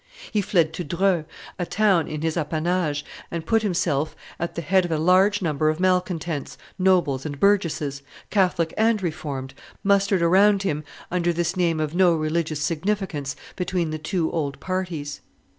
He fled to Dreux, a town in his appanage, and put himself at the head of a large number of malcontents, nobles and burgesses, Catholic and Reformed, mustered around him under this name of no religious significance between the two old parties.